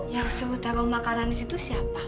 yang sebutan kalau makanan disitu siapa